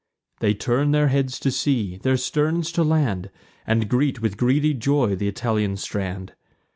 They turn their heads to sea, their sterns to land, And greet with greedy joy th' Italian strand.